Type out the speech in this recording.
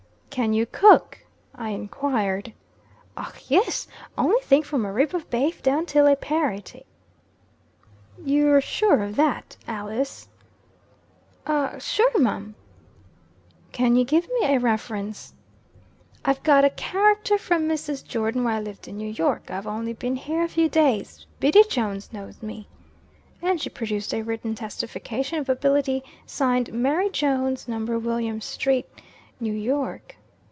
"Can you cook?" I enquired. "Och, yis! Ony thing, from a rib of bafe down till a parate." "You're sure of that, Alice?" "Och! sure, mum." "Can you give me a reference?" "I've got a char_ac_ter from Mrs. Jordan, where I lived in New York. I've only been here a few days. Biddy Jones knows me." And she produced a written testification of ability, signed "Mary Jones, No. William street, New York."